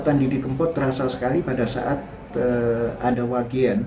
kekuatan didi kempot terasal sekali pada saat ada wakian